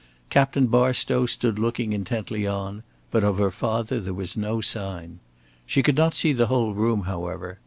Captain Barstow stood looking intently on, but of her father there was no sign. She could not see the whole room, however.